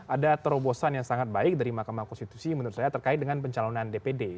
ada terobosan yang sangat baik dari mahkamah konstitusi menurut saya terkait dengan pencalonan dpd